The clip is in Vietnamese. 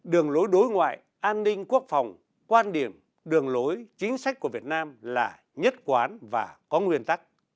đường lối đối ngoại an ninh quốc phòng quan điểm đường lối chính sách của việt nam là nhất quán và có nguyên tắc